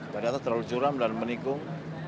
ternyata terlalu curam dan menikung